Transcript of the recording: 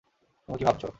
তুমি কি ভাবছো?